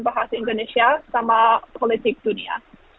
bahasa indonesia sama politik dunia